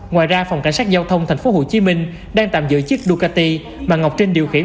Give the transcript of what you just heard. ngoài ra phòng cảnh sát giao thông tp hcm đang tạm giữ chiếc ducati mà ngọc trinh điều khiển